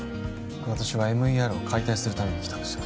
私はＭＥＲを解体するために来たんです